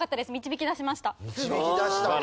導き出したんだ。